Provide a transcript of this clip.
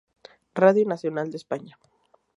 Radio Nacional de España.